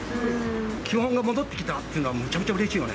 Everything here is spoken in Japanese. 基本が戻ってきたっていうのは、めちゃめちゃうれしいよね。